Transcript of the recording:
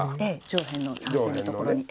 上辺の３線のところに。